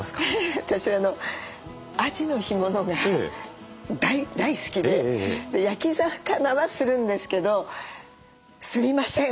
私あじの干物が大好きで焼き魚はするんですけどすみません。